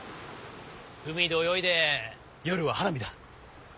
海で泳いで夜は花火だ。